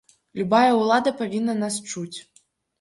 Любая ўлада павінна нас чуць.